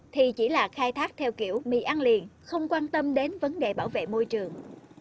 thì chỉ là khai thác theo kiểu mì ăn liền không quan tâm đến vấn đề bảo vệ môi trường